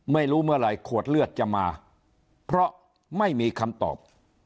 ไม่รู้เมื่อไหร่ขวดเลือดจะมาเพราะไม่มีคำตอบ